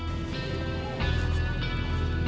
kita selalu berdoa